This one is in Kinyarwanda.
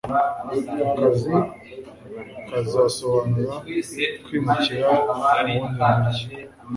Akazi kazasobanura kwimukira mu wundi mujyi